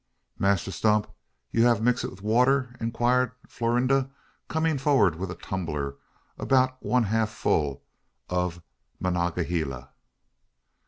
"Mass 'Tump, you it hab mix wif water?" inquired Florinda, coming forward with a tumbler about one half full of "Monongahela."